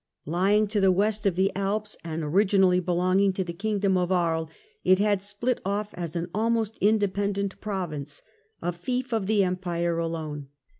Savoy and Lying to the West of the Alps and originally belonging Piedmont ^.^ ^.j^g Kingdom of Aries, it had split off as an almost in dependent Province, a fief of the Empire alone.